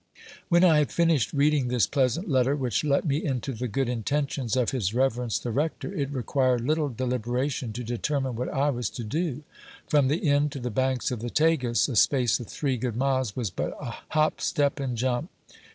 When I had finished reading this pleasant letter, which let me into the good intentions of his reverence the rector, it required little deliberation to determine what I was to do : from the inn to the banks of the Tagus, a space of three good miles, was but a hop, step, and jump.